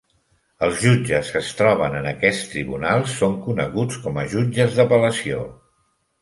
Els jutges que es troben en aquest tribunal són coneguts com a jutges d'apel·lació.